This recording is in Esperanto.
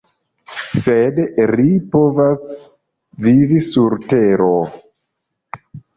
Sed ri povas vivi sur tero.